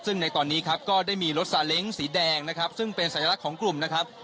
ซึ่งในตอนนี้ครับก็ได้มีรถซาเล้งสีแดงนะครับซึ่งเป็นสัญลักษณ์ของกลุ่มนะครับ